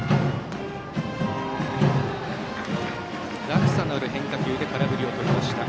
落差のある変化球で空振りをとりました。